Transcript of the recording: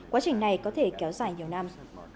quá trình này có thể kéo dài nhiều năm